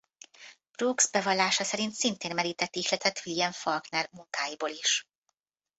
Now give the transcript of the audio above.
Brooks bevallása szerint szintén merített ihletet William Faulkner munkáiból is.